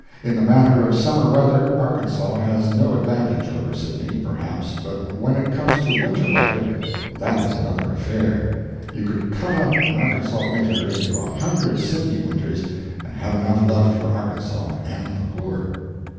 In the matter of summer weather Arkansas has no advantage over Sydney, perhaps, but when it comes to winter weather, that is another affair. You could cut up an Arkansas winter into a hundred Sydney winters and have enough left for Arkansas and the poor.